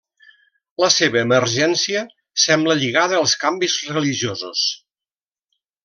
La seva emergència sembla lligada als canvis religiosos.